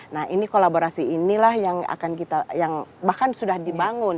nah ini kolaborasi inilah yang bahkan sudah dibangun